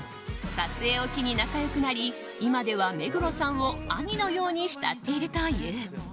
撮影を機に仲良くなり今では目黒さんを兄のように慕っているという。